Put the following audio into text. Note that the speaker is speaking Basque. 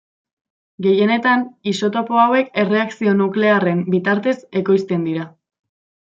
Gehienetan isotopo hauek erreakzio nuklearren bitartez ekoizten dira.